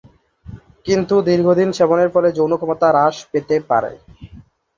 কিন্তু দীর্ঘদিন সেবনের ফলে যৌন ক্ষমতা হ্রাস পেতে পারে।